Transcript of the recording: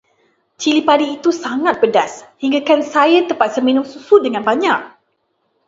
Cili padi itu sangat pedas, hinggakan saya terpaksa minum susu dengan banyak.